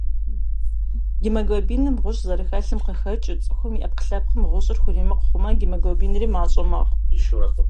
Гемоглобиным гъущӏ зэрыхэлъым къыхэкӏыу, цӏыхум и ӏэпкълъэпъым гъущӏыр хуримыкъу хъумэ, гемоглобинри мащӏэ мэхъу.